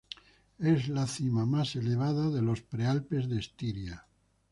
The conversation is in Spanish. Es la cima más elevada de los Prealpes de Estiria.